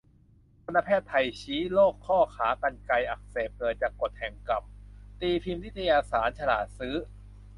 ทันตแพทย์ไทยชี้ "โรคข้อขากรรไกรอักเสบ เกิดจากกฎแห่งกรรม" ตีพิมพ์นิตยสาร 'ฉลาดซื้อ'